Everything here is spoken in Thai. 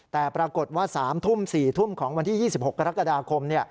แต่ปรากฏว่า๓ทุ่ม๔ทุ่มของวันที่๒๖กรกฎาคม